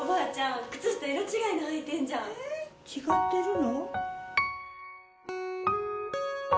違ってるの？